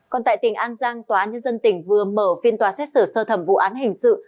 còn tại tỉnh an giang tòa nhân dân tỉnh vừa mở phiên tòa xét xử sơ thẩm vụ án hình sự